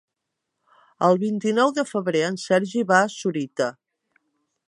El vint-i-nou de febrer en Sergi va a Sorita.